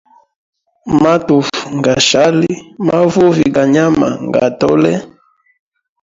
Matufu ngashali, mavuvi ga nyama nga tole.